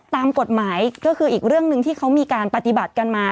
ตามกฎหมายก็คืออีกเรื่องหนึ่งที่เขามีการปฏิบัติกันมา